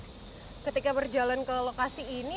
ketika berjalan ke lokasi ini